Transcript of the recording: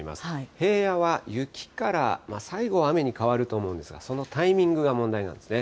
平野は雪から、最後は雨に変わると思いますが、そのタイミングが問題なんですね。